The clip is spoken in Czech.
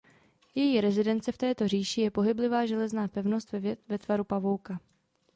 Její rezidence v této říši je pohyblivá železná pevnost ve tvaru pavouka.